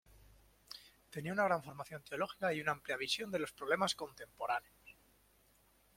Tenía una gran formación teológica y una amplia visión de los problemas contemporáneos.